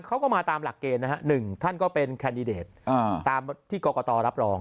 เขาก็มาตามหลักเกณฑ์นะฮะ๑ท่านก็เป็นแคนดิเดตตามที่กรกตรับรอง